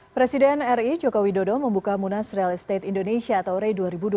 presiden ri joko widodo membuka munas real estate indonesia atau rei dua ribu dua puluh tiga